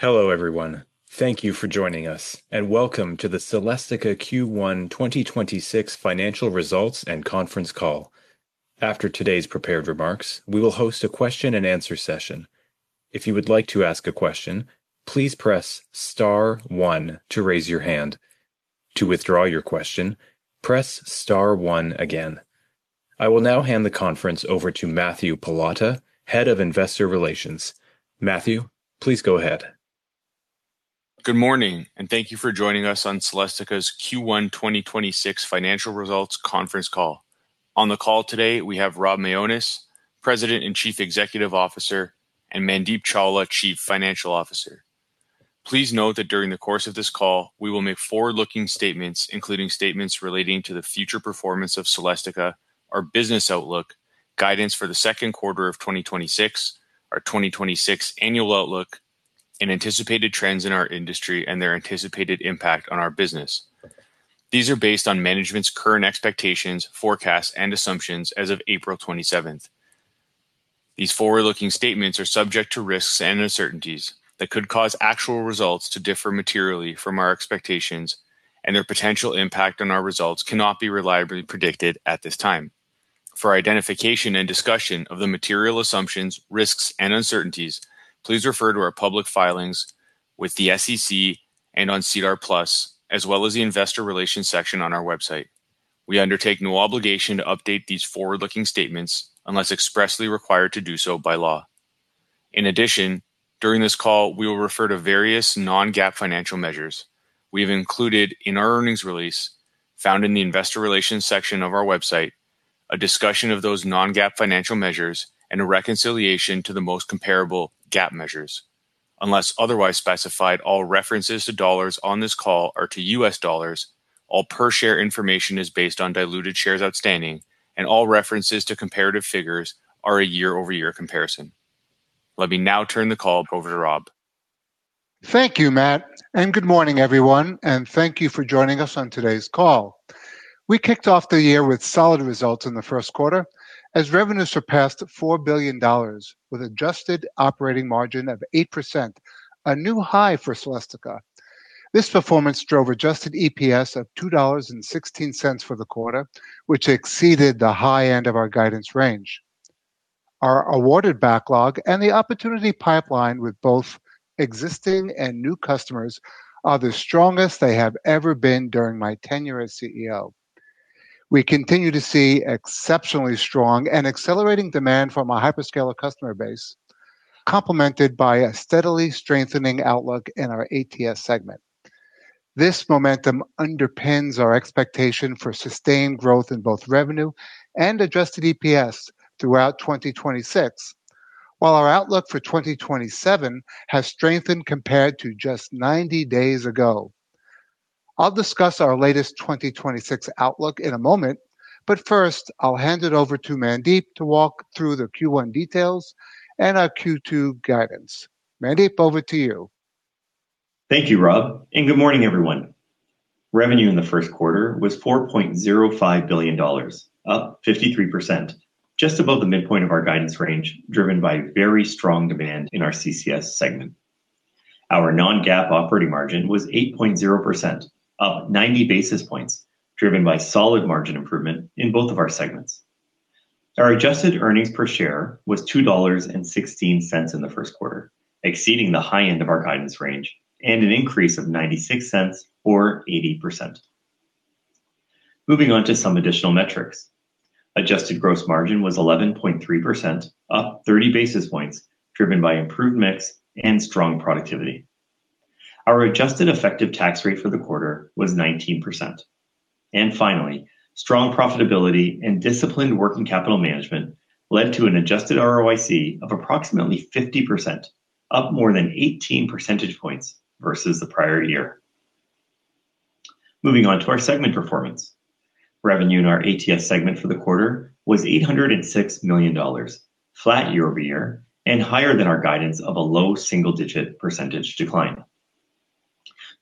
Hello, everyone. Thank you for joining us, and welcome to the Celestica Q1 2026 financial results and conference call. After today's prepared remarks, we will host a question-and-answer session. If you would like to ask a question, please press star one to raise your hand. To withdraw your question, press star one again. I will now hand the conference over to Matthew Pallotta, Head of Investor Relations. Matthew, please go ahead. Good morning, and thank you for joining us on Celestica's Q1 2026 financial results conference call. On the call today, we have Rob Mionis, President and Chief Executive Officer, and Mandeep Chawla, Chief Financial Officer. Please note that during the course of this call, we will make forward-looking statements, including statements relating to the future performance of Celestica, our business outlook, guidance for the second quarter of 2026, our 2026 annual outlook, and anticipated trends in our industry and their anticipated impact on our business. These are based on management's current expectations, forecasts, and assumptions as of April 27th. These forward-looking statements are subject to risks and uncertainties that could cause actual results to differ materially from our expectations, and their potential impact on our results cannot be reliably predicted at this time. For identification and discussion of the material assumptions, risks, and uncertainties, please refer to our public filings with the SEC and on SEDAR+, as well as the investor relations section on our website. We undertake no obligation to update these forward-looking statements unless expressly required to do so by law. In addition, during this call, we will refer to various non-GAAP financial measures. We have included in our earnings release, found in the investor relations section of our website, a discussion of those non-GAAP financial measures and a reconciliation to the most comparable GAAP measures. Unless otherwise specified, all references to dollars on this call are to U.S. dollars, all per share information is based on diluted shares outstanding, and all references to comparative figures are a year-over-year comparison. Let me now turn the call over to Rob. Thank you, Matt. Good morning, everyone, and thank you for joining us on today's call. We kicked off the year with solid results in the first quarter as revenues surpassed $4 billion with adjusted operating margin of 8%, a new high for Celestica. This performance drove adjusted EPS of $2.16 for the quarter, which exceeded the high end of our guidance range. Our awarded backlog and the opportunity pipeline with both existing and new customers are the strongest they have ever been during my tenure as CEO. We continue to see exceptionally strong and accelerating demand from our hyperscaler customer base, complemented by a steadily strengthening outlook in our ATS segment. This momentum underpins our expectation for sustained growth in both revenue and adjusted EPS throughout 2026, while our outlook for 2027 has strengthened compared to just 90 days ago. I'll discuss our latest 2026 outlook in a moment. First, I'll hand it over to Mandeep to walk through the Q1 details and our Q2 guidance. Mandeep, over to you. Thank you, Rob, and good morning, everyone. Revenue in the first quarter was $4.05 billion, up 53%, just above the midpoint of our guidance range, driven by very strong demand in our CCS segment. Our non-GAAP operating margin was 8.0%, up 90 basis points, driven by solid margin improvement in both of our segments. Our adjusted earnings per share was $2.16 in the first quarter, exceeding the high end of our guidance range and an increase of $0.96 or 80%. Moving on to some additional metrics. Adjusted gross margin was 11.3%, up 30 basis points, driven by improved mix and strong productivity. Our adjusted effective tax rate for the quarter was 19%. Finally, strong profitability and disciplined working capital management led to an adjusted ROIC of approximately 50%, up more than 18 percentage points versus the prior year. Moving on to our segment performance. Revenue in our ATS segment for the quarter was $806 million, flat year-over-year and higher than our guidance of a low single-digit percentage decline.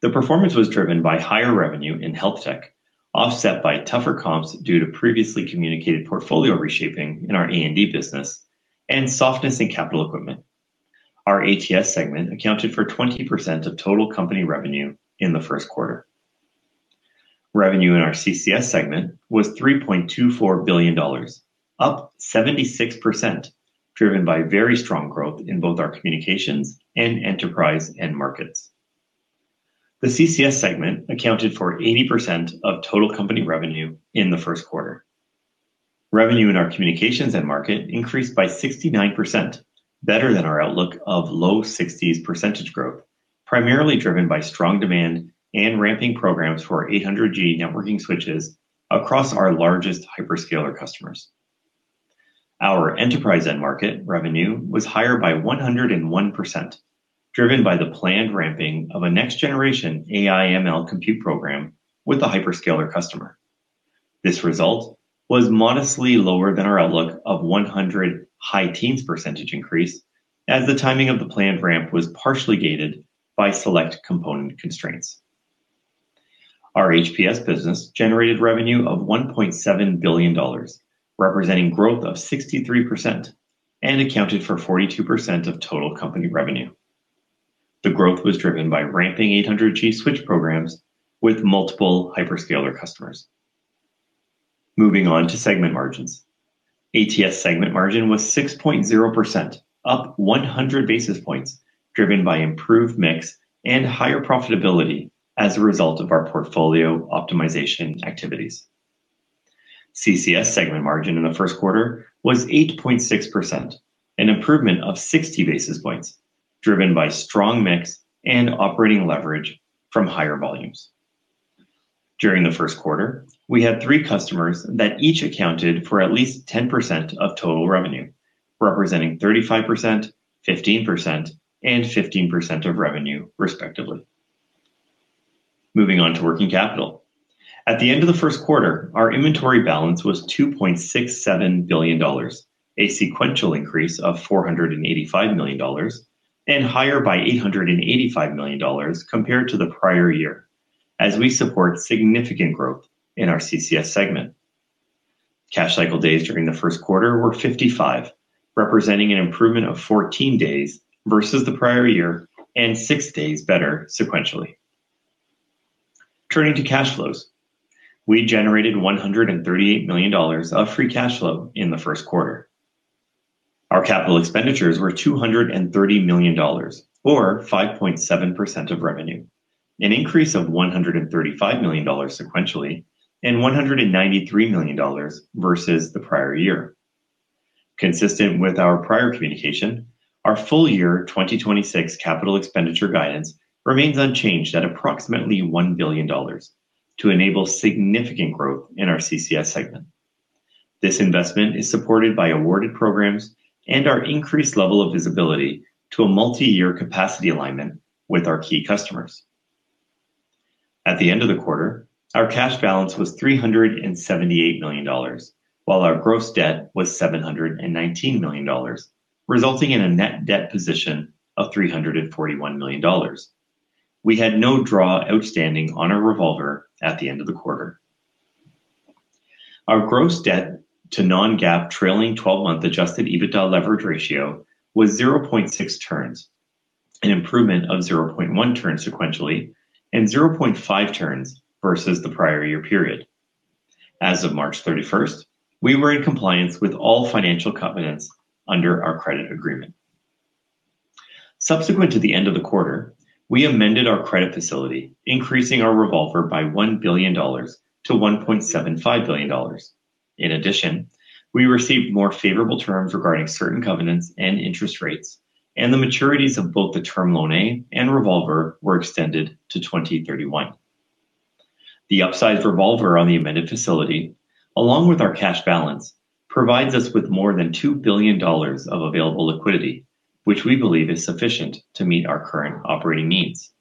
The performance was driven by higher revenue in HealthTech, offset by tougher comps due to previously communicated portfolio reshaping in our A&D business and softness in capital equipment. Our ATS segment accounted for 20% of total company revenue in the first quarter. Revenue in our CCS segment was $3.24 billion, up 76%, driven by very strong growth in both our communications and enterprise end markets. The CCS segment accounted for 80% of total company revenue in the first quarter. Revenue in our communications end market increased by 69%, better than our outlook of low 60s percentage growth. Primarily driven by strong demand and ramping programs for 800G networking switches across our largest hyperscaler customers. Our enterprise end market revenue was higher by 101%, driven by the planned ramping of a next-generation AI/ML compute program with a hyperscaler customer. This result was modestly lower than our outlook of 100 high teens percentage increase, as the timing of the planned ramp was partially gated by select component constraints. Our HPS business generated revenue of $1.7 billion, representing growth of 63% and accounted for 42% of total company revenue. The growth was driven by ramping 800G switch programs with multiple hyperscaler customers. Moving on to segment margins. ATS segment margin was 6.0%, up 100 basis points, driven by improved mix and higher profitability as a result of our portfolio optimization activities. CCS segment margin in the first quarter was 8.6%, an improvement of 60 basis points driven by strong mix and operating leverage from higher volumes. During the first quarter, we had 3 customers that each accounted for at least 10% of total revenue, representing 35%, 15%, and 15% of revenue, respectively. Moving on to working capital. At the end of the first quarter, our inventory balance was $2.67 billion, a sequential increase of $485 million and higher by $885 million compared to the prior year as we support significant growth in our CCS segment. Cash cycle days during the first quarter were 55, representing an improvement of 14 days versus the prior year and 6 days better sequentially. Turning to cash flows. We generated $138 million of free cash flow in the first quarter. Our capital expenditures were $230 million or 5.7% of revenue, an increase of $135 million sequentially and $193 million versus the prior year. Consistent with our prior communication, our full year 2026 capital expenditure guidance remains unchanged at approximately $1 billion to enable significant growth in our CCS segment. This investment is supported by awarded programs and our increased level of visibility to a multi-year capacity alignment with our key customers. At the end of the quarter, our cash balance was $378 million, while our gross debt was $719 million, resulting in a net debt position of $341 million. We had no draw outstanding on our revolver at the end of the quarter. Our gross debt to non-GAAP trailing twelve-month adjusted EBITDA leverage ratio was 0.6 turns, an improvement of 0.1 turns sequentially and 0.5 turns versus the prior year period. As of March 31st, we were in compliance with all financial covenants under our credit agreement. Subsequent to the end of the quarter, we amended our credit facility, increasing our revolver by $1 billion to $1.75 billion. In addition, we received more favorable terms regarding certain covenants and interest rates, and the maturities of both the term loan A and revolver were extended to 2031. The upsized revolver on the amended facility, along with our cash balance, provides us with more than $2 billion of available liquidity, which we believe is sufficient to meet our current operating needs.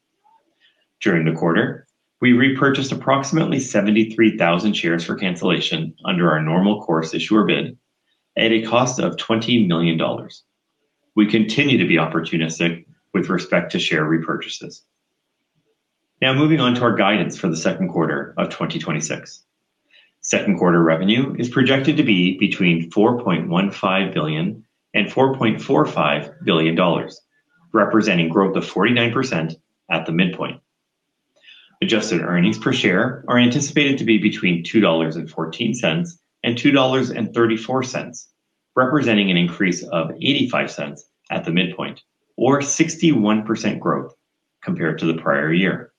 During the quarter, we repurchased approximately 73,000 shares for cancellation under our Normal Course Issuer Bid at a cost of $20 million. We continue to be opportunistic with respect to share repurchases. Now moving on to our guidance for the second quarter of 2026. Second quarter revenue is projected to be between $4.15 billion and $4.45 billion, representing growth of 49% at the midpoint. Adjusted earnings per share are anticipated to be between $2.14 and $2.34, representing an increase of $0.85 at the midpoint or 61% growth compared to the prior year.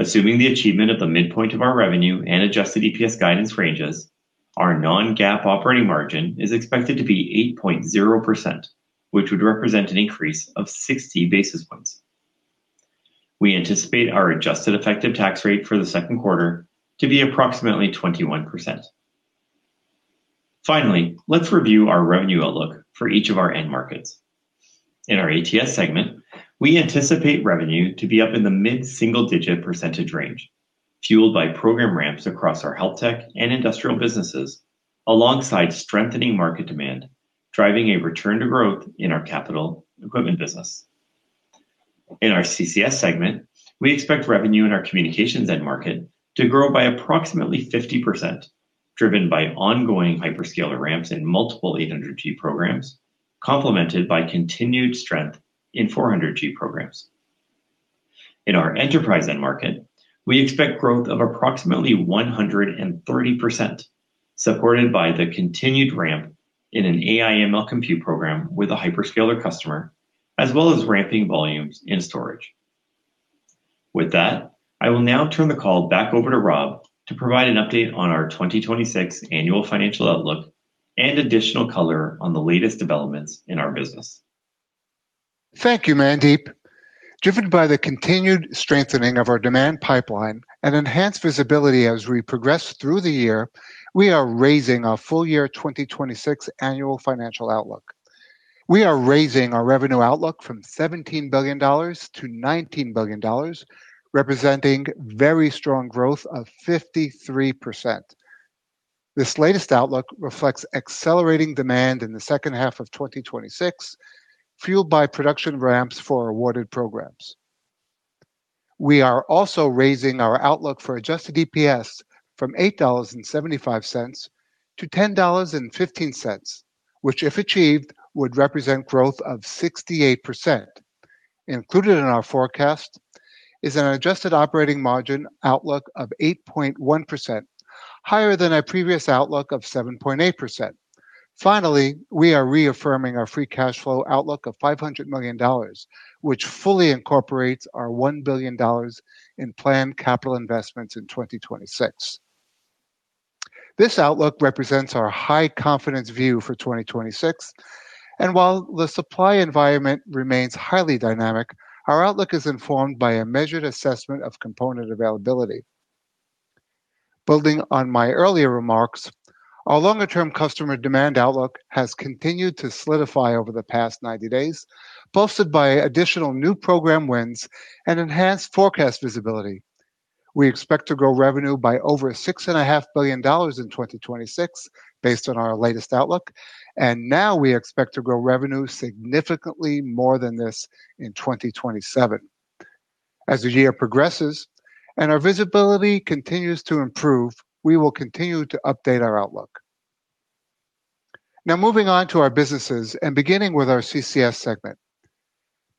Assuming the achievement of the midpoint of our revenue and adjusted EPS guidance ranges, our non-GAAP operating margin is expected to be 8.0%, which would represent an increase of 60 basis points. We anticipate our adjusted effective tax rate for the second quarter to be approximately 21%. Finally, let's review our revenue outlook for each of our end markets. In our ATS segment, we anticipate revenue to be up in the mid-single-digit % range, fueled by program ramps across our HealthTech and industrial businesses, alongside strengthening market demand, driving a return to growth in our capital equipment business. In our CCS segment, we expect revenue in our communications end market to grow by approximately 50%, driven by ongoing hyperscaler ramps in multiple 800G programs, complemented by continued strength in 400G programs. In our enterprise end market, we expect growth of approximately 130%, supported by the continued ramp in an AI/ML compute program with a hyperscaler customer, as well as ramping volumes in storage. With that, I will now turn the call back over to Rob to provide an update on our 2026 annual financial outlook and additional color on the latest developments in our business. Thank you, Mandeep. Driven by the continued strengthening of our demand pipeline and enhanced visibility as we progress through the year, we are raising our full year 2026 annual financial outlook. We are raising our revenue outlook from $17 billion to $19 billion, representing very strong growth of 53%. This latest outlook reflects accelerating demand in the second half of 2026, fueled by production ramps for awarded programs. We are also raising our outlook for adjusted EPS from $8.75 to $10.15, which, if achieved, would represent growth of 68%. Included in our forecast is an adjusted operating margin outlook of 8.1%, higher than our previous outlook of 7.8%. Finally, we are reaffirming our free cash flow outlook of $500 million, which fully incorporates our $1 billion in planned capital investments in 2026. This outlook represents our high confidence view for 2026. While the supply environment remains highly dynamic, our outlook is informed by a measured assessment of component availability. Building on my earlier remarks, our longer-term customer demand outlook has continued to solidify over the past 90 days, bolstered by additional new program wins and enhanced forecast visibility. We expect to grow revenue by over $6.5 billion in 2026 based on our latest outlook. Now we expect to grow revenue significantly more than this in 2027. As the year progresses and our visibility continues to improve, we will continue to update our outlook. Moving on to our businesses and beginning with our CCS segment.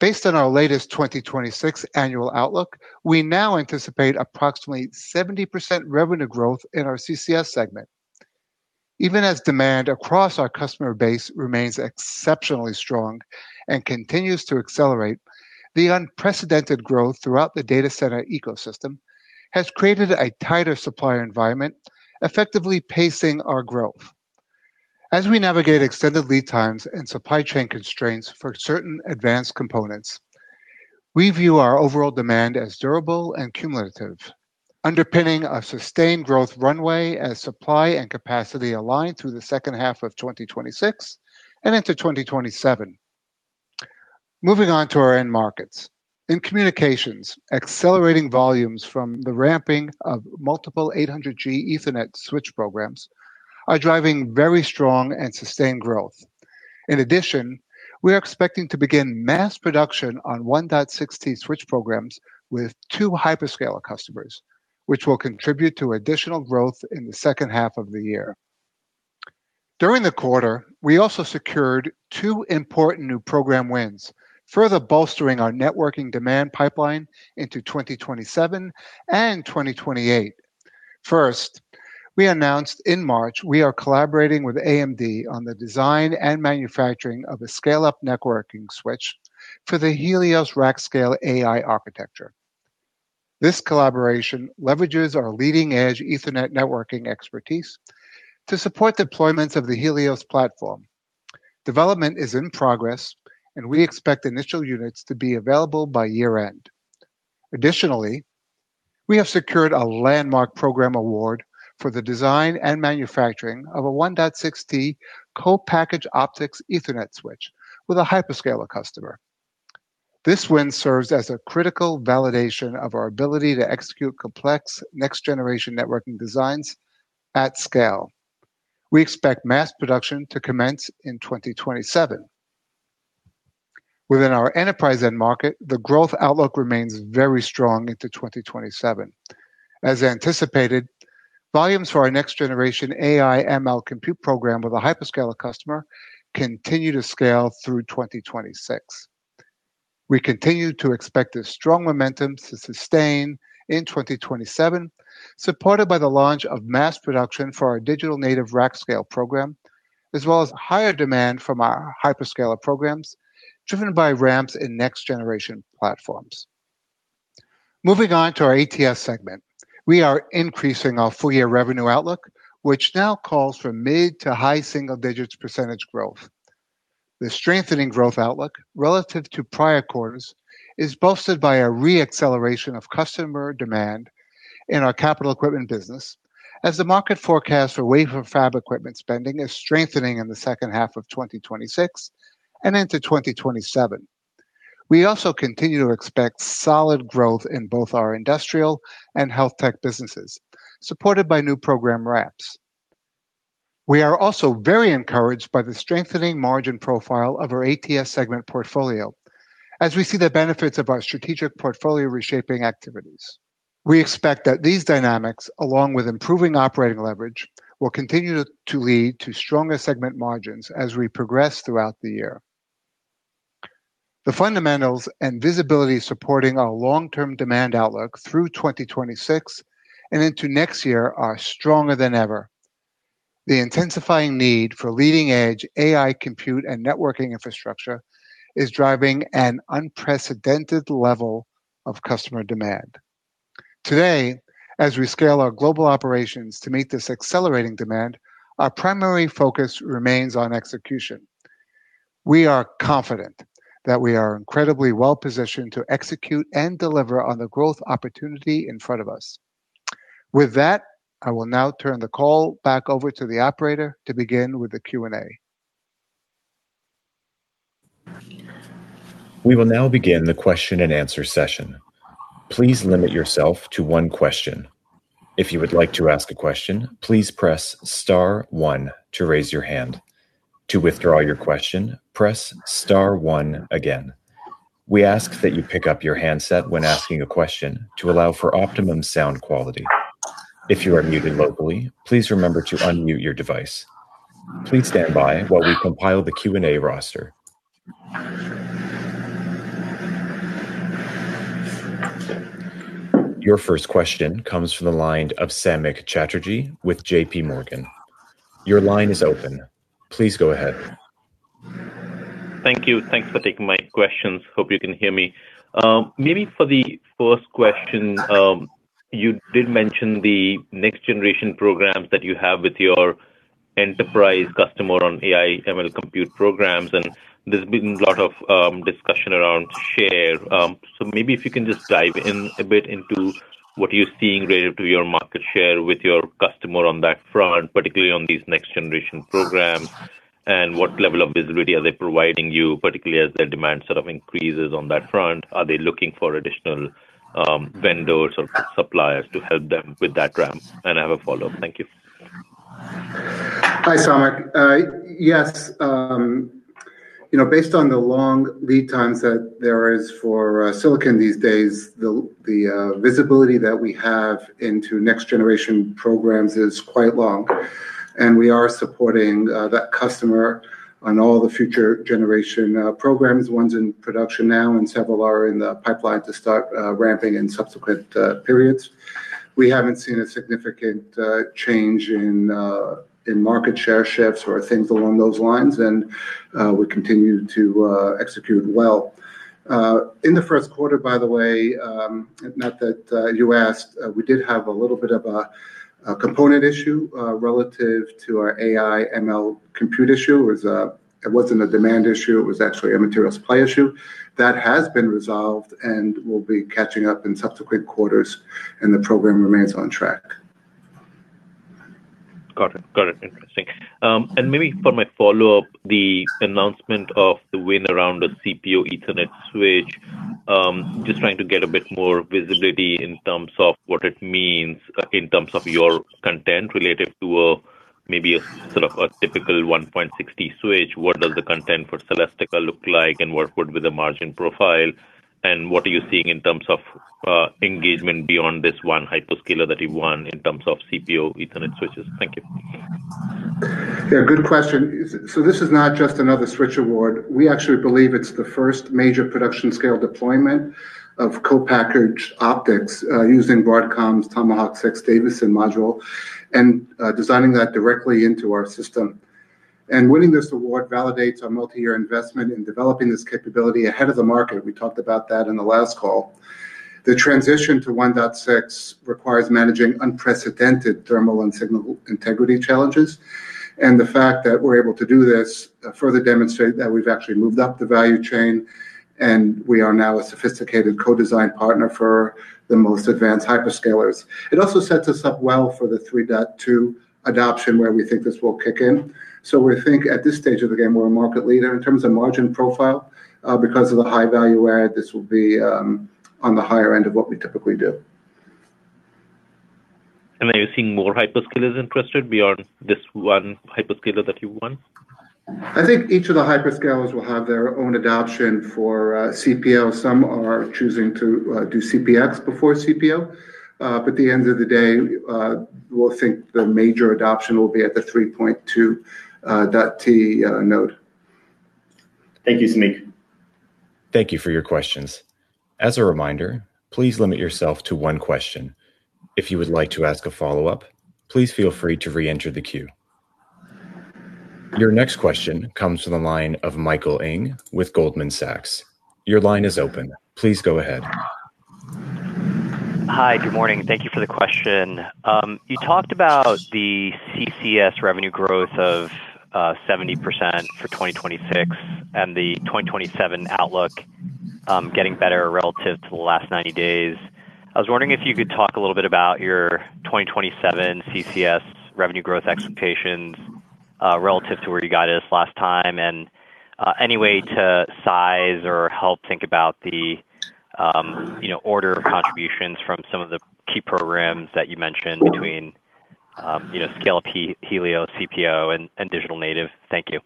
Based on our latest 2026 annual outlook, we now anticipate approximately 70% revenue growth in our CCS segment. Even as demand across our customer base remains exceptionally strong and continues to accelerate, the unprecedented growth throughout the data center ecosystem has created a tighter supplier environment, effectively pacing our growth. As we navigate extended lead times and supply chain constraints for certain advanced components, we view our overall demand as durable and cumulative, underpinning a sustained growth runway as supply and capacity align through the second half of 2026 and into 2027. Moving on to our end markets. In communications, accelerating volumes from the ramping of multiple 800G Ethernet switch programs are driving very strong and sustained growth. In addition, we are expecting to begin mass production on 1.6T switch programs with two hyperscaler customers, which will contribute to additional growth in the second half of the year. During the quarter, we also secured two important new program wins, further bolstering our networking demand pipeline into 2027 and 2028. First, we announced in March we are collaborating with AMD on the design and manufacturing of a scale-up networking switch for the Helios Rack-Scale AI architecture. This collaboration leverages our leading-edge Ethernet networking expertise to support deployments of the Helios platform. Development is in progress, and we expect initial units to be available by year-end. Additionally, we have secured a landmark program award for the design and manufacturing of a 1.6T co-packaged optics Ethernet switch with a hyperscaler customer. This win serves as a critical validation of our ability to execute complex next-generation networking designs at scale. We expect mass production to commence in 2027. Within our enterprise end market, the growth outlook remains very strong into 2027. As anticipated, volumes for our next-generation AI/ML compute program with a hyperscaler customer continue to scale through 2026. We continue to expect this strong momentum to sustain in 2027, supported by the launch of mass production for our digital native rack-scale program, as well as higher demand from our hyperscaler programs driven by ramps in next-generation platforms. Moving on to our ATS segment. We are increasing our full-year revenue outlook, which now calls for mid to high single-digits % growth. The strengthening growth outlook relative to prior quarters is bolstered by a re-acceleration of customer demand in our capital equipment business as the market forecast for wafer fab equipment spending is strengthening in the second half of 2026 and into 2027. We also continue to expect solid growth in both our industrial and HealthTech businesses, supported by new program ramps. We are also very encouraged by the strengthening margin profile of our ATS segment portfolio as we see the benefits of our strategic portfolio reshaping activities. We expect that these dynamics, along with improving operating leverage, will continue to lead to stronger segment margins as we progress throughout the year. The fundamentals and visibility supporting our long-term demand outlook through 2026 and into next year are stronger than ever. The intensifying need for leading-edge AI compute and networking infrastructure is driving an unprecedented level of customer demand. Today, as we scale our global operations to meet this accelerating demand, our primary focus remains on execution. We are confident that we are incredibly well-positioned to execute and deliver on the growth opportunity in front of us. With that, I will now turn the call back over to the operator to begin with the Q&A. We will now begin the question and answer session. Please limit yourself to one question. If you would like to ask a question, please press star one to raise your hand. To withdraw your question, press star one again. We ask that you pick up your handset when asking a question to allow for optimum sound quality. If you are muted locally, please remember to unmute your device. Please stand by while we compile the Q&A roster. Your first question comes from the line of Samik Chatterjee with JPMorgan. Your line is open. Please go ahead. Thank you. Thanks for taking my questions. Hope you can hear me. Maybe for the first question, you did mention the next generation programs that you have with your enterprise customer on AI/ML compute programs, and there's been a lot of discussion around share. So maybe if you can just dive in a bit into what you're seeing related to your market share with your customer on that front, particularly on these next generation programs, and what level of visibility are they providing you, particularly as their demand sort of increases on that front. Are they looking for additional vendors or suppliers to help them with that ramp? I have a follow-up. Thank you. Hi, Samik. Yes, based on the long lead times that there is for silicon these days, the visibility that we have into next generation programs is quite long. We are supporting that customer on all the future generation programs, ones in production now, and several are in the pipeline to start ramping in subsequent periods. We haven't seen a significant change in market share shifts or things along those lines, we continue to execute well. In the first quarter, by the way, not that you asked, we did have a little bit of a component issue relative to our AI/ML compute issue. It was, it wasn't a demand issue, it was actually a material supply issue. That has been resolved and will be catching up in subsequent quarters, and the program remains on track. Got it. Got it. Interesting. Maybe for my follow-up, the announcement of the win around the CPO Ethernet switch, just trying to get a bit more visibility in terms of what it means in terms of your content related to a, maybe a, sort of a typical 1.6T switch. What does the content for Celestica look like, and what would be the margin profile? What are you seeing in terms of engagement beyond this one hyperscaler that you won in terms of CPO Ethernet switches? Thank you. Yeah, good question. This is not just another switch award. We actually believe it's the first major production scale deployment of co-packaged optics, using Broadcom's Tomahawk 6 Davisson module and designing that directly into our system. Winning this award validates our multi-year investment in developing this capability ahead of the market. We talked about that in the last call. The transition to 1.6T requires managing unprecedented thermal and signal integrity challenges. The fact that we're able to do this further demonstrate that we've actually moved up the value chain, and we are now a sophisticated co-design partner for the most advanced hyperscalers. It also sets us up well for the 3.2T adoption, where we think this will kick in. We think at this stage of the game, we're a market leader in terms of margin profile, because of the high value add, this will be on the higher end of what we typically do. Are you seeing more hyperscalers interested beyond this one hyperscaler that you won? I think each of the hyperscalers will have their own adoption for CPO. Some are choosing to do CPX before CPO. At the end of the day, we'll think the major adoption will be at the 3.2T node. Thank you, Samik. Thank you for your questions. As a reminder, please limit yourself to one question. If you would like to ask a follow-up, please feel free to re-enter the queue. Your next question comes from the line of Michael Ng with Goldman Sachs. Your line is open. Please go ahead. Hi. Good morning. Thank you for the question. You talked about the CCS revenue growth of 70% for 2026 and the 2027 outlook getting better relative to the last 90 days. I was wondering if you could talk a little bit about your 2027 CCS revenue growth expectations relative to where you guided us last time, any way to size or help think about the, you know, order of contributions from some of the key programs that you mentioned between, you know, scale Helios, CPO, and digital native. Thank you.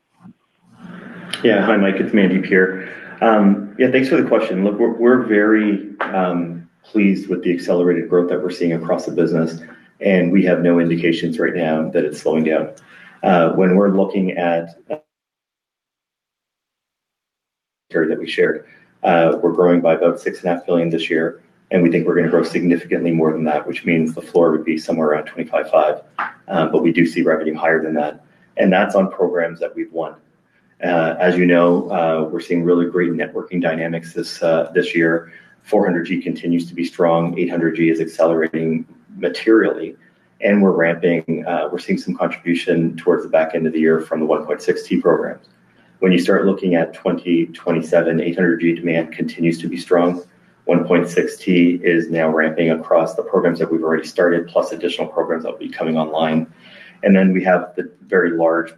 Hi, Mike. It's Mandeep here. Thanks for the question. We're very pleased with the accelerated growth that we're seeing across the business, and we have no indications right now that it's slowing down. When we're looking at that we shared, we're growing by about six and a half billion this year, and we think we're going to grow significantly more than that, which means the floor would be somewhere around $25.5 billion. We do see revenue higher than that, and that's on programs that we've won. As you know, we're seeing really great networking dynamics this year. 400G continues to be strong. 800G is accelerating materially, and we're seeing some contribution towards the back end of the year from the 1.6T programs. When you start looking at 2027, 800G demand continues to be strong. 1.6T is now ramping across the programs that we've already started, plus additional programs that will be coming online. We have the very large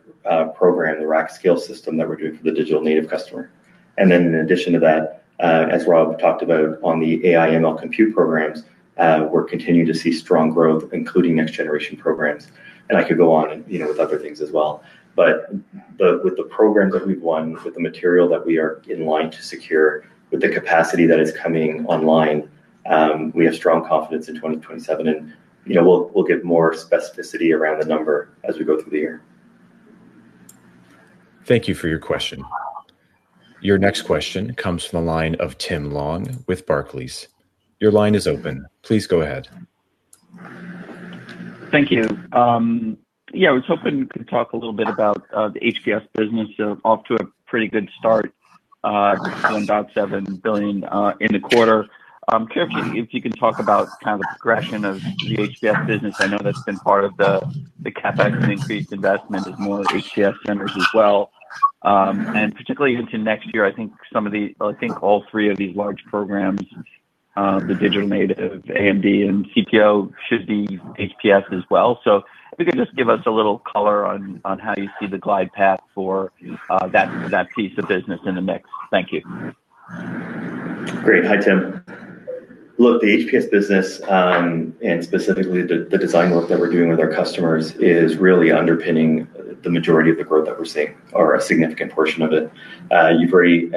program, the rack-scale system that we're doing for the digital native customer. In addition to that, as Rob talked about on the AI/ML compute programs, we're continuing to see strong growth, including next generation programs. I could go on, you know, with other things as well. But with the programs that we've won, with the material that we are in line to secure, with the capacity that is coming online, we have strong confidence in 2027. You know, we'll give more specificity around the number as we go through the year. Thank you for your question. Your next question comes from the line of Tim Long with Barclays. Your line is open. Please go ahead. Thank you. Yeah, I was hoping you could talk a little bit about the HPS business. Off to a pretty good start, $7.7 billion in the quarter. I'm curious if you, if you can talk about kind of the progression of the HPS business. I know that's been part of the CapEx and increased investment is more HPS centers as well. And particularly into next year, I think all three of these large programs, the digital native AMD and CPO should be HPS as well. If you could just give us a little color on how you see the glide path for that piece of business in the mix. Thank you. Great. Hi, Tim. Look, the HPS business, and specifically the design work that we're doing with our customers is really underpinning the majority of the growth that we're seeing or a significant portion of it. You've already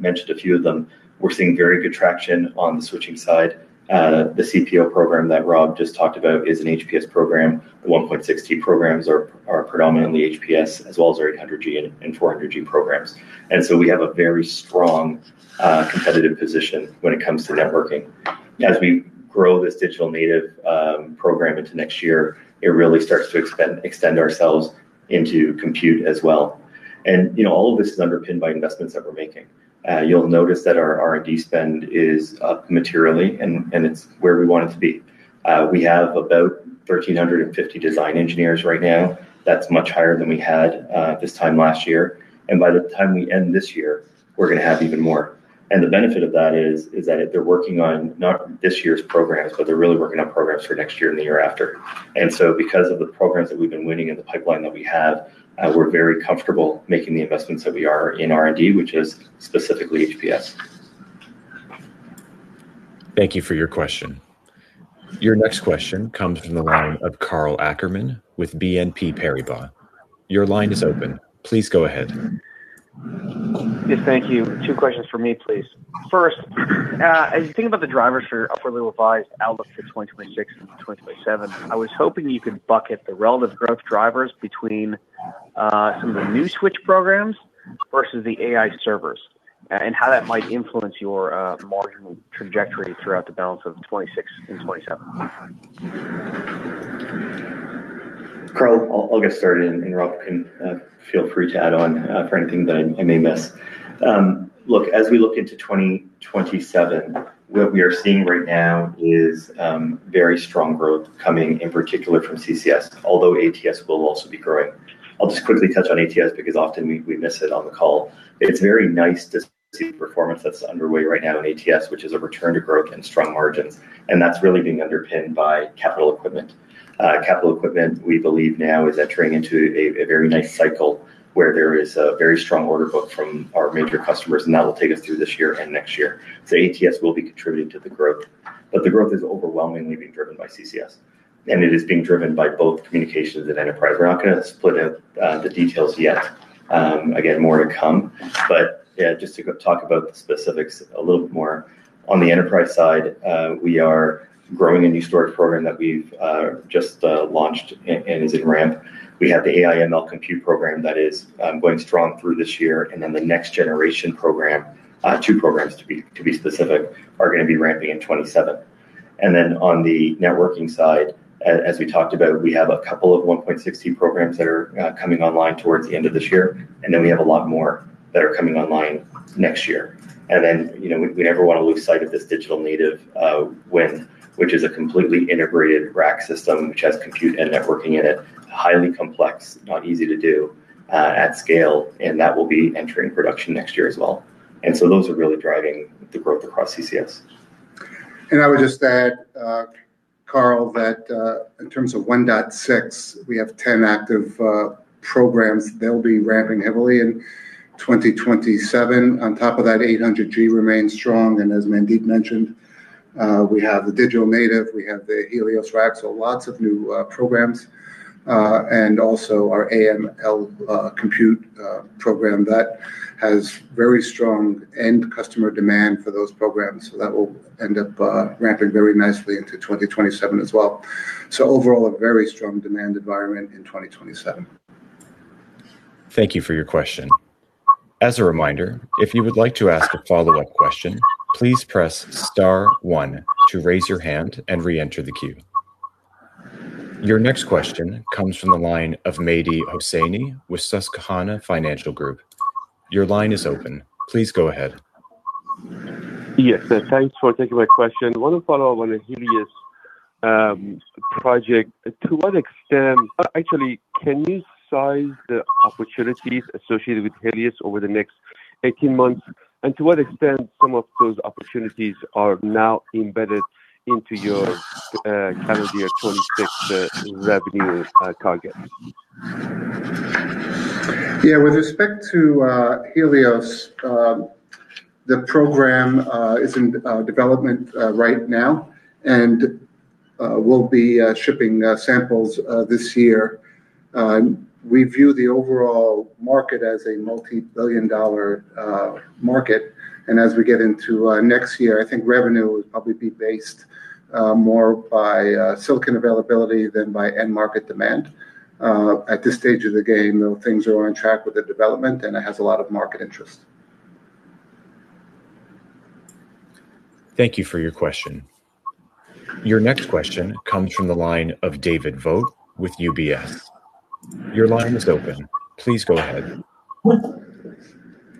mentioned a few of them. We're seeing very good traction on the switching side. The CPO program that Rob just talked about is an HPS program. The 1.6T programs are predominantly HPS as well as our 800G and 400G programs. So we have a very strong competitive position when it comes to networking. As we grow this digital native program into next year, it really starts to extend ourselves into compute as well. You know, all of this is underpinned by investments that we're making. You'll notice that our R&D spend is up materially, and it's where we want it to be. We have about 1,350 design engineers right now. That's much higher than we had this time last year. By the time we end this year, we're going to have even more. The benefit of that is that they're working on not this year's programs, but they're really working on programs for next year and the year after. Because of the programs that we've been winning and the pipeline that we have, we're very comfortable making the investments that we are in R&D, which is specifically HPS. Thank you for your question. Your next question comes from the line of Karl Ackerman with BNP Paribas. Your line is open. Please go ahead. Yes, thank you. Two questions for me, please. First, as you think about the drivers for upward revised outlook for 2026 and 2027, I was hoping you could bucket the relative growth drivers between some of the new switch programs versus the AI servers and how that might influence your marginal trajectory throughout the balance of 2026 and 2027? Karl, I'll get started, and Rob can feel free to add on for anything that I may miss. Look, as we look into 2027, what we are seeing right now is very strong growth coming in particular from CCS, although ATS will also be growing. I'll just quickly touch on ATS because often we miss it on the call. It's very nice to see performance that's underway right now in ATS, which is a return to growth and strong margins, and that's really being underpinned by capital equipment. Capital equipment, we believe now is entering into a very nice cycle where there is a very strong order book from our major customers, and that will take us through this year and next year. ATS will be contributing to the growth, but the growth is overwhelmingly being driven by CCS, and it is being driven by both communications and enterprise. We're not gonna split out the details yet. Again, more to come. Yeah, just to go talk about the specifics a little bit more, on the enterprise side, we are growing a new storage program that we've just launched and is in ramp. We have the AI/ML compute program that is going strong through this year. The next generation program, two programs to be specific, are gonna be ramping in 2027. On the networking side, as we talked about, we have a couple of 1.6T programs that are coming online towards the end of this year, and then we have a lot more that are coming online next year. You know, we never wanna lose sight of this digital native win, which is a completely integrated rack system which has compute and networking in it. Highly complex, not easy to do at scale, and that will be entering production next year as well. Those are really driving the growth across CCS. I would just add, Karl, that in terms of 1.6T, we have 10 active programs that'll be ramping heavily in 2027. On top of that, 800G remains strong. As Mandeep mentioned, we have the digital native, we have the Helios rack, so lots of new programs. Also our AI/ML compute program that has very strong end customer demand for those programs. That will end up ramping very nicely into 2027 as well. Overall, a very strong demand environment in 2027. Thank you for your question. As a reminder, if you would like to ask a follow-up question, please press star one to raise your hand and re-enter the queue. Your next question comes from the line of Mehdi Hosseini with Susquehanna Financial Group. Your line is open. Please go ahead. Yes. Thanks for taking my question. I want to follow up on the Helios Project, actually, can you size the opportunities associated with Helios over the next 18 months? To what extent some of those opportunities are now embedded into your calendar year 2026 revenue target? Yeah. With respect to Helios, the program is in development right now, and we'll be shipping samples this year. We view the overall market as a multi-billion dollar market. As we get into next year, I think revenue will probably be based more by silicon availability than by end market demand. At this stage of the game, though, things are on track with the development, and it has a lot of market interest. Thank you for your question. Your next question comes from the line of David Vogt with UBS. Your line is open. Please go ahead.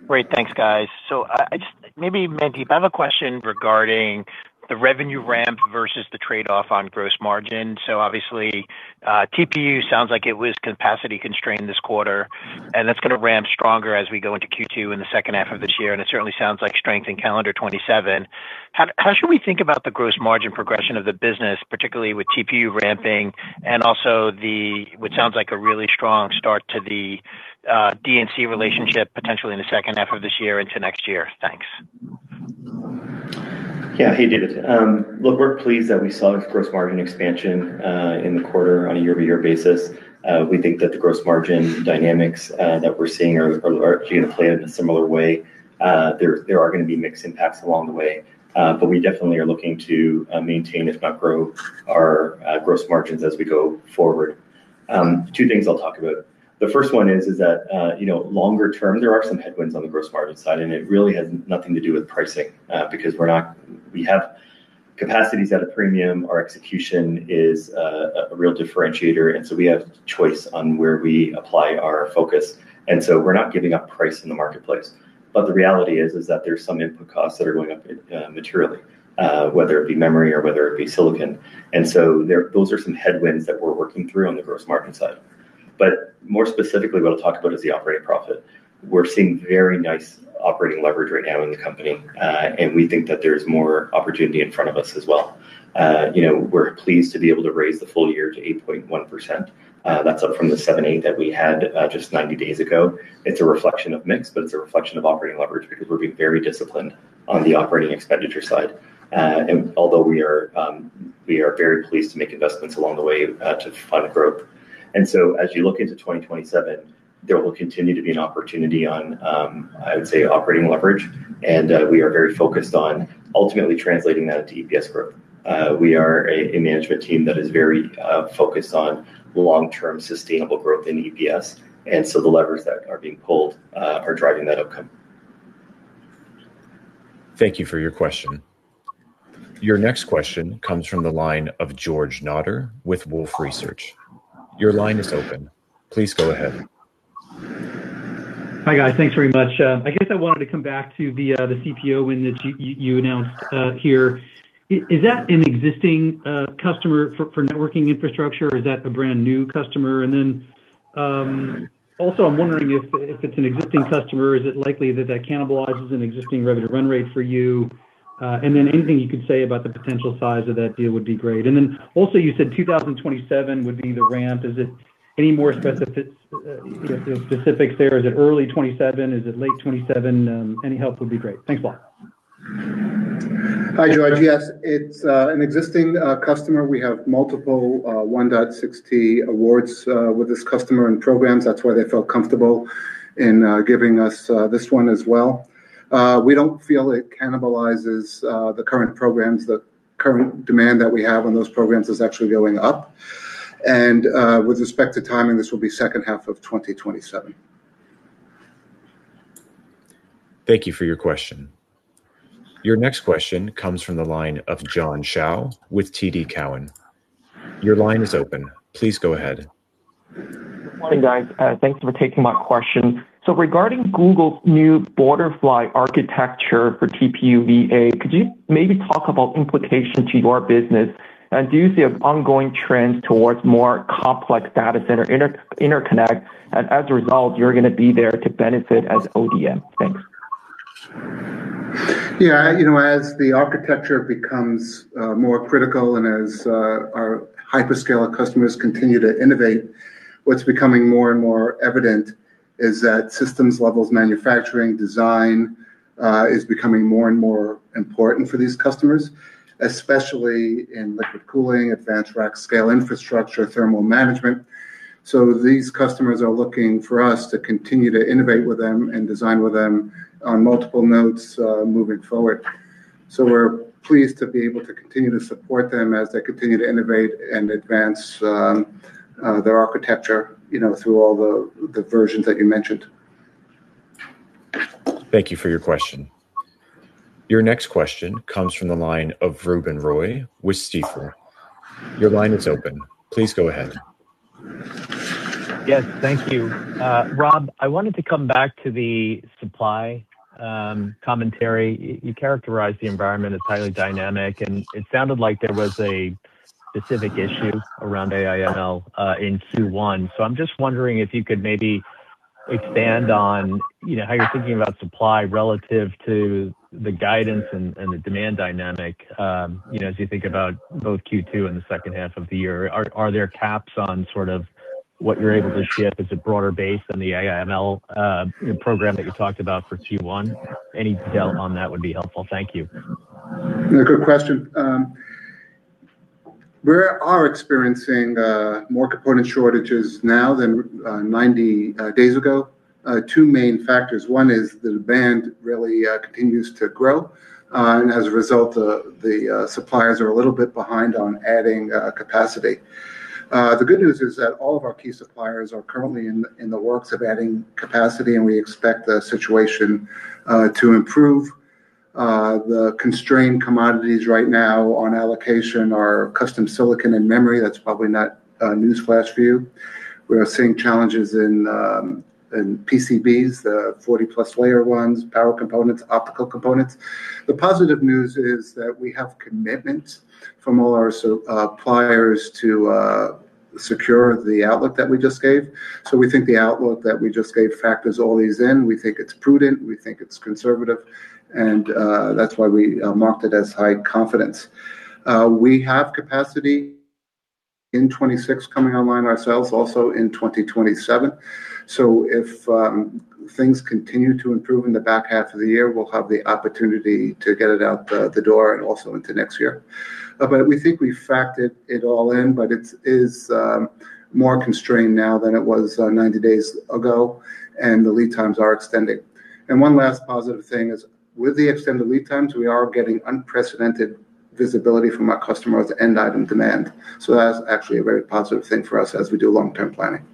Great. Thanks, guys. I just, maybe Mandeep, I have a question regarding the revenue ramp versus the trade-off on gross margin. Obviously, TPU sounds like it was capacity constrained this quarter, and that's gonna ramp stronger as we go into Q2 in the second half of this year, and it certainly sounds like strength in calendar 2027. How should we think about the gross margin progression of the business, particularly with TPU ramping, and also the, what sounds like a really strong start to the D&C relationship potentially in the second half of this year into next year? Thanks. Yeah. Hey, David. Look, we're pleased that we saw gross margin expansion in the quarter on a year-over-year basis. We think that the gross margin dynamics that we're seeing are largely gonna play out in a similar way. There are gonna be mixed impacts along the way, but we definitely are looking to maintain, if not grow our gross margins as we go forward. Two things I'll talk about. The first one is that, you know, longer term, there are some headwinds on the gross margin side, it really has nothing to do with pricing, because we have capacities at a premium. Our execution is a real differentiator, we have choice on where we apply our focus. We're not giving up price in the marketplace. The reality is that there's some input costs that are going up materially, whether it be memory or whether it be silicon. Those are some headwinds that we're working through on the gross margin side. More specifically, what I'll talk about is the operating profit. We're seeing very nice operating leverage right now in the company, and we think that there's more opportunity in front of us as well. You know, we're pleased to be able to raise the full year to 8.1%. That's up from the 7.8 that we had just 90 days ago. It's a reflection of mix, but it's a reflection of operating leverage because we're being very disciplined on the operating expenditure side. Although we are very pleased to make investments along the way to fund growth. As you look into 2027, there will continue to be an opportunity on, I would say, operating leverage, and we are very focused on ultimately translating that into EPS growth. We are a management team that is very focused on long-term sustainable growth in EPS, and so the levers that are being pulled are driving that outcome. Thank you for your question. Your next question comes from the line of George Nader with Wolfe Research. Your line is open. Please go ahead. Hi, guys. Thanks very much. I guess I wanted to come back to the CPO win that you announced here. Is that an existing customer for networking infrastructure, or is that a brand-new customer? Also I'm wondering if it's an existing customer, is it likely that that cannibalizes an existing revenue run rate for you? Anything you could say about the potential size of that deal would be great. Also, you said 2027 would be the ramp. Is it any more, you know, specifics there? Is it early 2027? Is it late 2027? Any help would be great. Thanks a lot. Hi, George. Yes, it's an existing customer. We have multiple 1.6T awards with this customer and programs. That's why they felt comfortable in giving us this one as well. We don't feel it cannibalizes the current programs. The current demand that we have on those programs is actually going up. With respect to timing, this will be second half of 2027. Thank you for your question. Your next question comes from the line of John Shao with TD Cowen. Your line is open. Please go ahead. Good morning, guys. Thanks for taking my question. Regarding Google's new Boardfly architecture for TPU 8, could you maybe talk about implication to your business? Do you see an ongoing trend towards more complex data center interconnect, and as a result, you're gonna be there to benefit as ODM? Thanks. Yeah. You know, as the architecture becomes more critical and as our hyperscaler customers continue to innovate, what's becoming more and more evident is that systems levels manufacturing design is becoming more and more important for these customers, especially in liquid cooling, advanced rack scale infrastructure, thermal management. These customers are looking for us to continue to innovate with them and design with them on multiple nodes moving forward. We're pleased to be able to continue to support them as they continue to innovate and advance their architecture, you know, through all the versions that you mentioned. Thank you for your question. Your next question comes from the line of Ruben Roy with Stifel. Your line is open. Please go ahead. Yes. Thank you. Rob, I wanted to come back to the supply commentary. You, you characterized the environment as highly dynamic, and it sounded like there was a specific issue around AI/ML in Q1. I'm just wondering if you could maybe expand on, you know, how you're thinking about supply relative to the guidance and the demand dynamic, you know, as you think about both Q2 and the second half of the year. Are, are there caps on sort of what you're able to ship as a broader base than the AI/ML program that you talked about for Q1? Any detail on that would be helpful. Thank you. Yeah, good question. We are experiencing more component shortages now than 90 days ago. Two main factors. One is the demand really continues to grow, as a result, the suppliers are a little bit behind on adding capacity. The good news is that all of our key suppliers are currently in the works of adding capacity, we expect the situation to improve. The constrained commodities right now on allocation are custom silicon and memory. That's probably not a newsflash for you. We are seeing challenges in PCBs, the 40-plus layer ones, power components, optical components. The positive news is that we have commitment from all our suppliers to secure the outlook that we just gave. We think the outlook that we just gave factors all these in. We think it's prudent, we think it's conservative. That's why we marked it as high confidence. We have capacity in 2026 coming online ourselves, also in 2027. If things continue to improve in the back half of the year, we'll have the opportunity to get it out the door and also into next year. But we think we've factored it all in, but it is more constrained now than it was 90 days ago, and the lead times are extending. One last positive thing is, with the extended lead times, we are getting unprecedented visibility from our customers' end item demand. That's actually a very positive thing for us as we do long-term planning.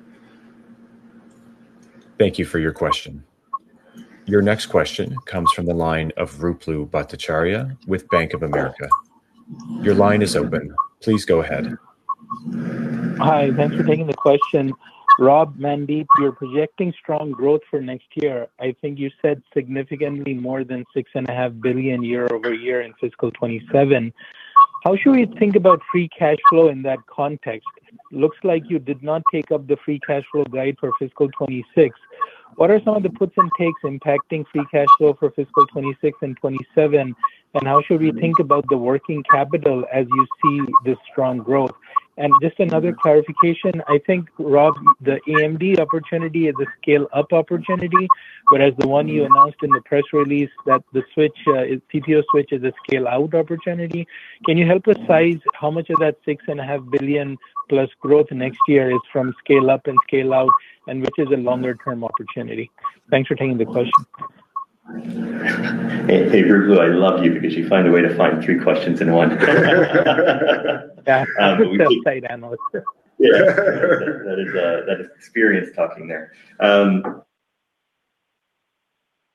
Thank you for your question. Your next question comes from the line of Ruplu Bhattacharya with Bank of America. Your line is open. Please go ahead. Hi. Thanks for taking the question. Rob, Mandeep, you're projecting strong growth for next year. I think you said significantly more than $6.5 billion year-over-year in fiscal 2027. How should we think about free cash flow in that context? Looks like you did not take up the free cash flow guide for fiscal 2026. What are some of the puts and takes impacting free cash flow for fiscal 2026 and 2027? How should we think about the working capital as you see this strong growth? Just another clarification. I think, Rob, the AMD opportunity is a scale up opportunity, whereas the one you announced in the press release that the switch, CPO switch is a scale out opportunity. Can you help us size how much of that $6.5 billion plus growth next year is from scale up and scale out, and which is a longer term opportunity? Thanks for taking the question. Hey, Ruplu, I love you because you find a way to find three questions in one. Yeah. That's the tight analyst. That is experience talking there.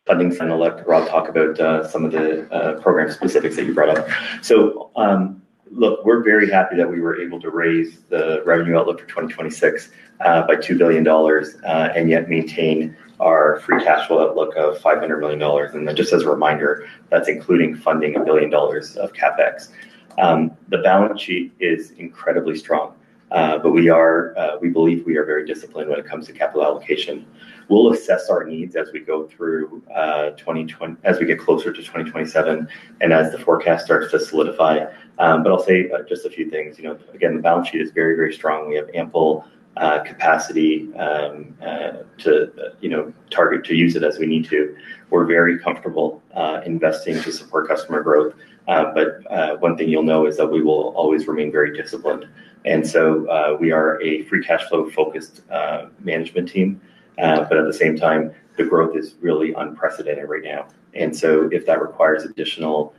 Rob talk about some of the program specifics that you brought up. Look, we're very happy that we were able to raise the revenue outlook for 2026 by $2 billion and yet maintain our free cash flow outlook of $500 million. Just as a reminder, that's including funding $1 billion of CapEx. The balance sheet is incredibly strong, we believe we are very disciplined when it comes to capital allocation. We'll assess our needs as we go through, as we get closer to 2027 and as the forecast starts to solidify. I'll say just a few things. You know, again, the balance sheet is very strong. We have ample capacity to, you know, target to use it as we need to. We're very comfortable investing to support customer growth. One thing you'll know is that we will always remain very disciplined. We are a free cash flow-focused management team. At the same time, the growth is really unprecedented right now. If that requires additional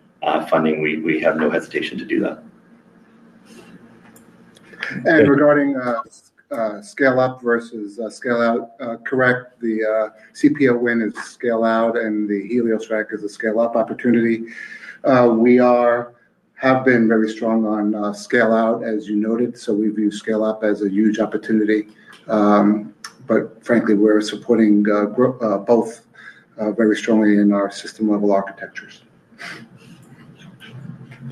funding, we have no hesitation to do that. Regarding scale up versus scale out, correct. The CPO win is scale out, and the Helios rack is a scale up opportunity. We have been very strong on scale out, as you noted, so we view scale up as a huge opportunity. Frankly, we're supporting both very strongly in our system-level architectures.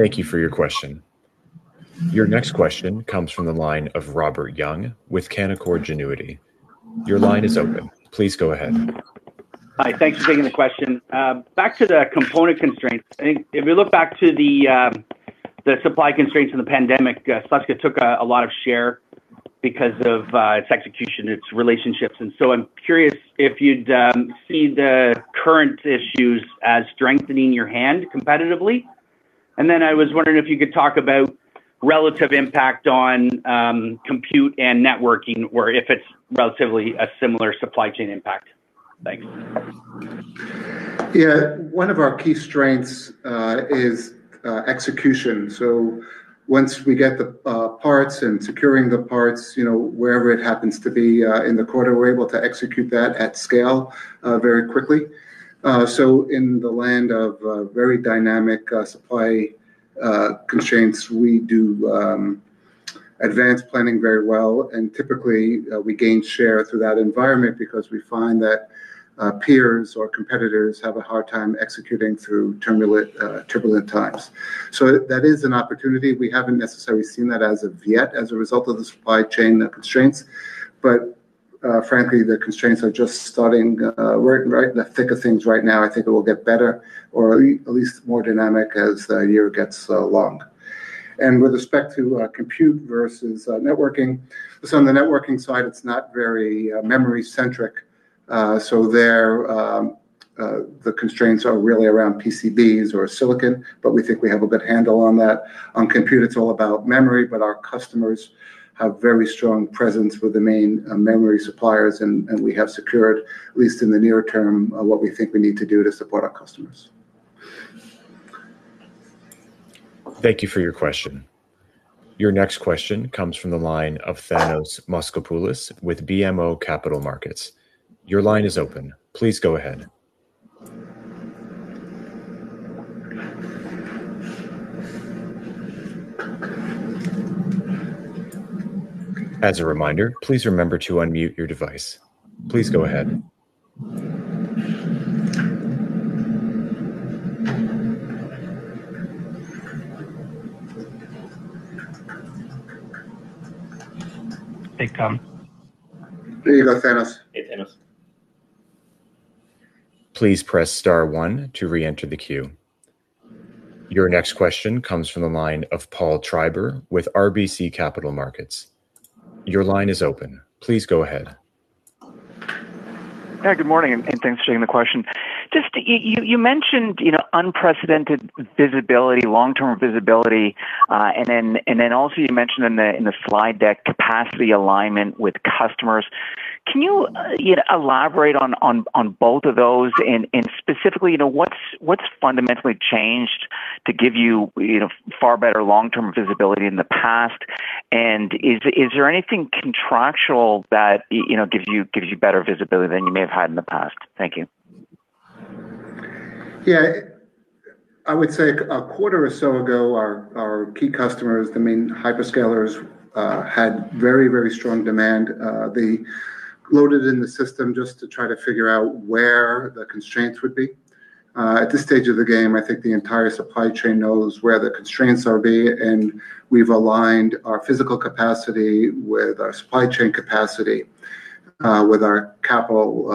Thank you for your question. Your next question comes from the line of Robert Young with Canaccord Genuity. Your line is open. Please go ahead. Hi. Thanks for taking the question. Back to the component constraints. I think if we look back to the supply constraints in the pandemic, Celestica took a lot of share because of its execution, its relationships, so I'm curious if you'd see the current issues as strengthening your hand competitively. I was wondering if you could talk about relative impact on compute and networking, or if it's relatively a similar supply chain impact. Thanks. Yeah. One of our key strengths is execution. Once we get the parts and securing the parts, you know, wherever it happens to be in the quarter, we're able to execute that at scale very quickly. In the land of very dynamic supply constraints, we do advanced planning very well, and typically, we gain share through that environment because we find that peers or competitors have a hard time executing through turbulent times. That is an opportunity. We haven't necessarily seen that as of yet as a result of the supply chain constraints, frankly, the constraints are just starting, we're right in the thick of things right now. I think it will get better or at least more dynamic as the year gets along. With respect to compute versus networking. On the networking side, it's not very memory-centric. There, the constraints are really around PCBs or silicon, but we think we have a good handle on that. On compute, it's all about memory, but our customers have very strong presence with the main memory suppliers, and we have secured, at least in the near term, what we think we need to do to support our customers. Thank you for your question. Your next question comes from the line of Thanos Moschopoulos with BMO Capital Markets. Hey, Kam. Hey, Thanos. Hey, Thanos. Please press star one to re-enter the queue. Your next question comes from the line of Paul Treiber with RBC Capital Markets. Your line is open. Please go ahead. Good morning, and thanks for taking the question. Just you mentioned, you know, unprecedented visibility, long-term visibility, also you mentioned in the slide deck capacity alignment with customers. Can you know, elaborate on both of those and specifically, you know, what's fundamentally changed to give you better long-term visibility in the past? Is there anything contractual that you know, gives you better visibility than you may have had in the past? Thank you. Yeah. I would say a quarter or so ago, our key customers, the main hyperscalers, had very, very strong demand. They loaded in the system just to try to figure out where the constraints would be. At this stage of the game, I think the entire supply chain knows where the constraints are be, and we've aligned our physical capacity with our supply chain capacity, with our capital,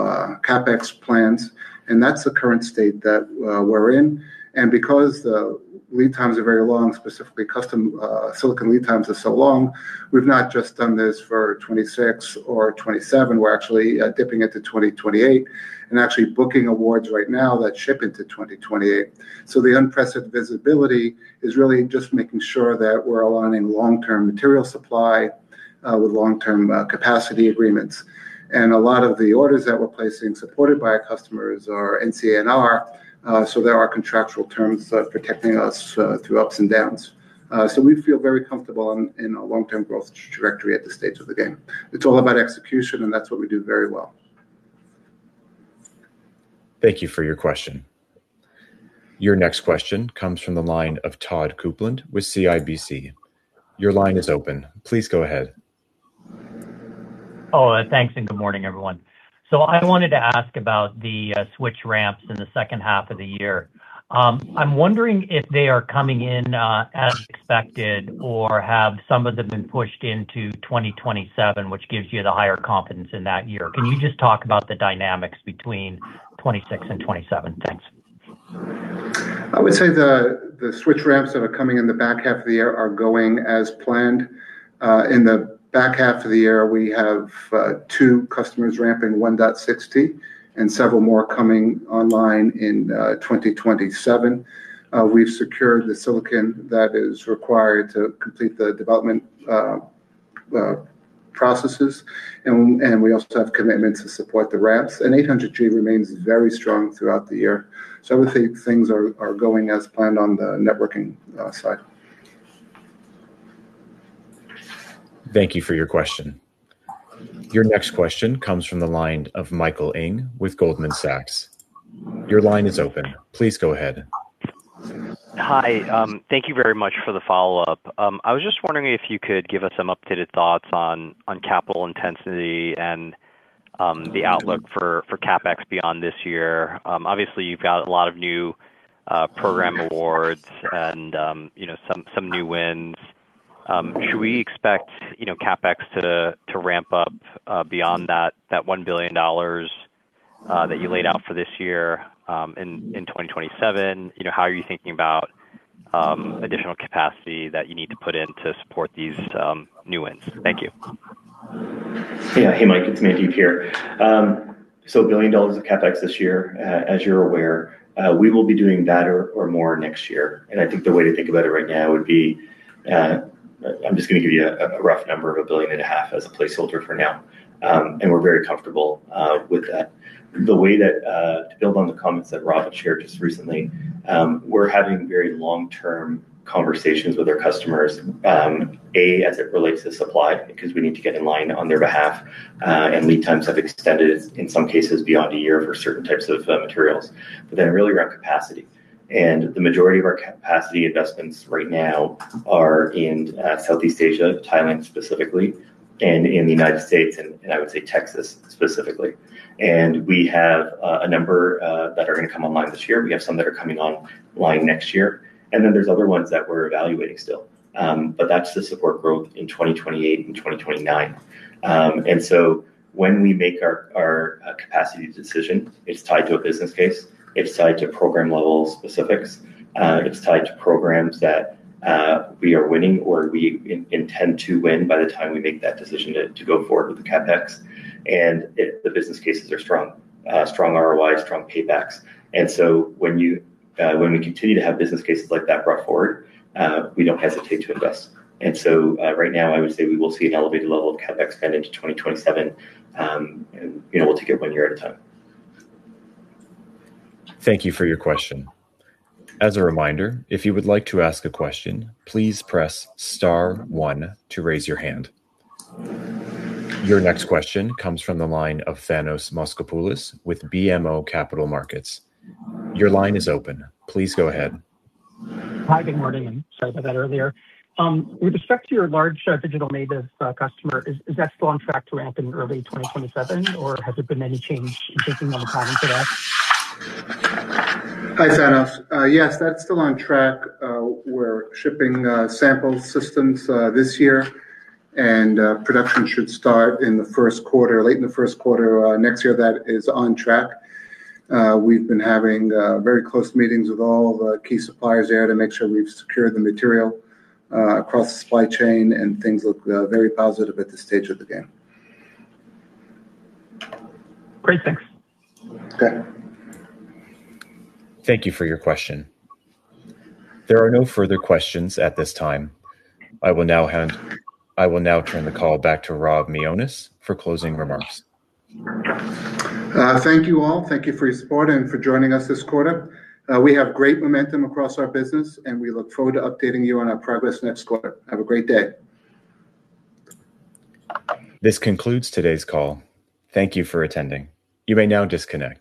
CapEx plans, and that's the current state that we're in. Because the lead times are very long, specifically custom silicon lead times are so long, we've not just done this for 2026 or 2027, we're actually dipping into 2028 and actually booking awards right now that ship into 2028. The unprecedented visibility is really just making sure that we're aligning long-term material supply, with long-term capacity agreements. A lot of the orders that we're placing supported by our customers are NCNR, so there are contractual terms protecting us through ups and downs. We feel very comfortable in a long-term growth trajectory at this stage of the game. It's all about execution, and that's what we do very well. Thank you for your question. Your next question comes from the line of Todd Coupland with CIBC. Your line is open. Please go ahead. Oh, thanks, and good morning, everyone. I wanted to ask about the switch ramps in the second half of the year. I'm wondering if they are coming in as expected or have some of them been pushed into 2027, which gives you the higher confidence in that year. Can you just talk about the dynamics between 2026 and 2027? Thanks. I would say the switch ramps that are coming in the back half of the year are going as planned. In the back half of the year, we have two customers ramping 1.6T and several more coming online in 2027. We've secured the silicon that is required to complete the development processes and we also have commitments to support the ramps. 800G remains very strong throughout the year. I would say things are going as planned on the networking side. Thank you for your question. Your next question comes from the line of Michael Ng with Goldman Sachs. Your line is open. Please go ahead. Hi. Thank you very much for the follow-up. I was just wondering if you could give us some updated thoughts on capital intensity and the outlook for CapEx beyond this year. Obviously, you've got a lot of new program awards and, you know, some new wins. Should we expect, you know, CapEx to ramp up beyond that $1 billion that you laid out for this year in 2027? You know, how are you thinking about additional capacity that you need to put in to support these new wins? Thank you. Hey, Mike, it's Mandeep here. A $1 billion of CapEx this year, as you're aware. We will be doing that or more next year. I think the way to think about it right now would be, I'm just going to give you a rough number of $1.5 billion as a placeholder for now. We're very comfortable with that. The way that to build on the comments that Rob had shared just recently, we're having very long-term conversations with our customers, as it relates to supply, because we need to get in line on their behalf. Lead times have extended in some cases beyond one year for certain types of materials. Really around capacity, the majority of our capacity investments right now are in Southeast Asia, Thailand specifically, and in the U.S., and I would say Texas specifically. We have a number that are going to come online this year. We have some that are coming online next year, and then there's other ones that we're evaluating still. That's to support growth in 2028 and 2029. When we make our capacity decision, it's tied to a business case, it's tied to program-level specifics, it's tied to programs that we are winning or we intend to win by the time we make that decision to go forward with the CapEx. The business cases are strong. Strong ROIs, strong paybacks. When you, when we continue to have business cases like that brought forward, we don't hesitate to invest. Right now I would say we will see an elevated level of CapEx spend into 2027. You know, we'll take it one year at a time. Thank you for your question. As a reminder, if you would like to ask a question, please press star one to raise your hand. Your next question comes from the line of Thanos Moschopoulos with BMO Capital Markets. Your line is open. Please go ahead. Hi, good morning, and sorry about that earlier. With respect to your large digital native customer, is that still on track to ramp in early 2027, or has there been any change in thinking on the timing for that? Hi, Thanos. Yes, that's still on track. We're shipping sample systems this year, and production should start in the first quarter, late in the first quarter, next year. That is on track. We've been having very close meetings with all the key suppliers there to make sure we've secured the material across the supply chain, and things look very positive at this stage of the game. Great. Thanks. Okay. Thank you for your question. There are no further questions at this time. I will now turn the call back to Rob Mionis for closing remarks. Thank you all. Thank you for your support and for joining us this quarter. We have great momentum across our business, and we look forward to updating you on our progress next quarter. Have a great day. This concludes today's call. Thank you for attending. You may now disconnect.